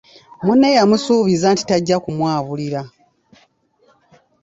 Munne yamusuubiza nti tajja kumwabulira.